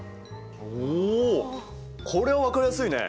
おおこりゃ分かりやすいね！